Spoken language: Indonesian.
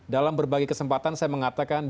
dalam berbagai kesempatan saya mengatakan